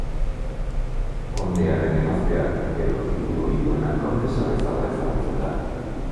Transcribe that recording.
Kondearen emazteak, edo titulu hori duenak, kondesa bezala ezagutzen da.